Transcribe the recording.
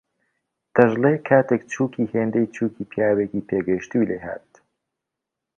دەشڵێ کاتێک چووکی هێندەی چووکی پیاوێکی پێگەیشتووی لێهات